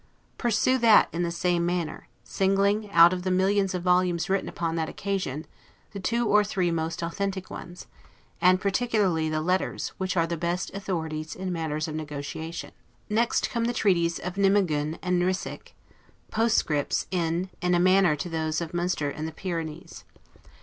Pursue that in the same manner, singling, out of the millions of volumes written upon that occasion, the two or three most authentic ones, and particularly letters, which are the best authorities in matters of negotiation. Next come the Treaties of Nimeguen and Ryswick, postscripts in, a manner to those of Munster and the Pyrenees.